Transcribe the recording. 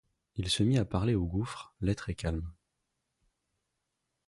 Il se mit à parler au gouffre, l’être est calme.